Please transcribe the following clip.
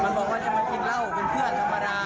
มันบอกว่ามันกินเหล้าเป็นเพื่อนผูมิ